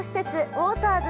ウォーターズ